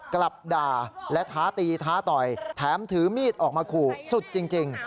กลับด่าและท้าตีท้าต่อยแถมถือมีดออกมาขู่สุดจริง